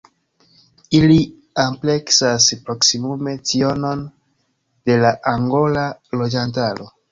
Ili ampleksas proksimume trionon de la angola loĝantaro.